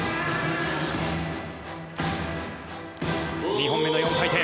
２本目の４回転。